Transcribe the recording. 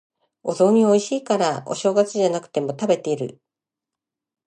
お雑煮美味しいから、お正月じゃなくても食べてる。